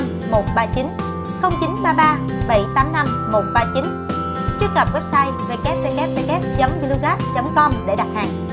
trước gặp website www glugas com để đặt hàng